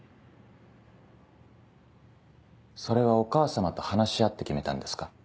それはお母様と話し合って決めたんですか？